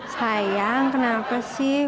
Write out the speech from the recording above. sayang kenapa sih